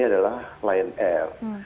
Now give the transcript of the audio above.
adalah lion air